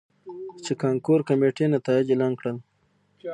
،چې کانکور کميټې نتايج اعلان کړل.